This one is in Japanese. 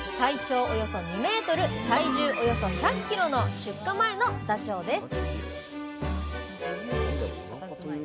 およそ２ｍ体重およそ１００ｋｇの出荷前のダチョウです